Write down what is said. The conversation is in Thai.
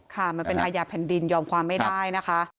มันเป็นอาญาแผ่นดินยอมความไม่ได้นะคะ